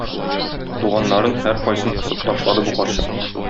Туганнарын һәркайсын косып ташлады бу карчык.